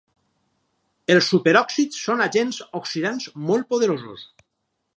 Els superòxids són agents oxidants molt poderosos.